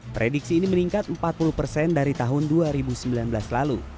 prediksi ini meningkat empat puluh persen dari tahun dua ribu sembilan belas lalu